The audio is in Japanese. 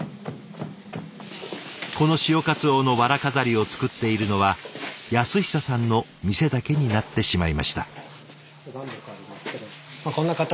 この「潮かつおのわら飾り」を作っているのは安久さんの店だけになってしまいました。